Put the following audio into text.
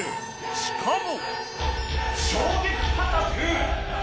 しかも！